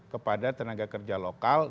kepada tenaga kerja lokal